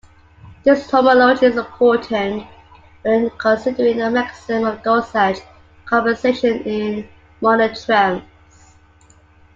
This homology is important when considering the mechanism of dosage compensation in monotremes.